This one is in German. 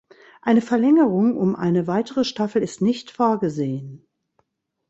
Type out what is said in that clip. Eine Verlängerung um eine weitere Staffel ist nicht vorgesehen.